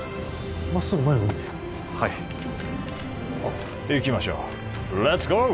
まっすぐ前を見てはい行きましょうレッツゴー！